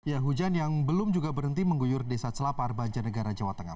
ya hujan yang belum juga berhenti mengguyur desa celapar banjarnegara jawa tengah